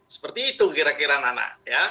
seperti itu kira kira nana